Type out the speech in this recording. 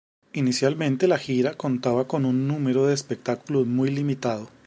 Inicialmente, la gira contaba con un número de espectáculos muy limitado.